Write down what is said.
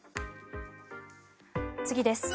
次です。